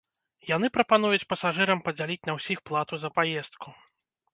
Яны прапануюць пасажырам падзяліць на ўсіх плату за паездку.